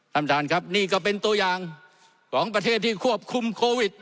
ท่านประธานครับนี่ก็เป็นตัวอย่างของประเทศที่ควบคุมโควิด